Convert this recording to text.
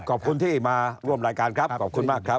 ขอบคุณที่มาร่วมรายการครับขอบคุณมากครับ